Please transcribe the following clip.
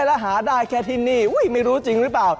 แล้วหาได้แค่ที่นี่ไม่รู้จริงหรือเปล่า